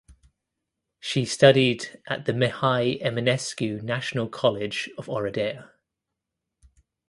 She studied at the Mihai Eminescu National College of Oradea.